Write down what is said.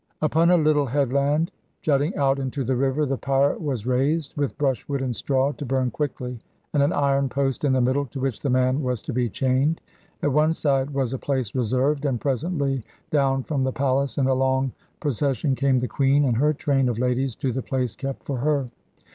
Upon a little headland jutting out into the river the pyre was raised, with brushwood and straw, to burn quickly, and an iron post in the middle to which the man was to be chained. At one side was a place reserved, and presently down from the palace in a long procession came the queen and her train of ladies to the place kept for her.